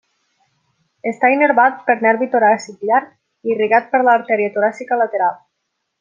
Està innervat per nervi toràcic llarg i irrigat per l'artèria toràcica lateral.